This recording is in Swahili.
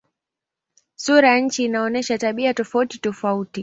Sura ya nchi inaonyesha tabia tofautitofauti.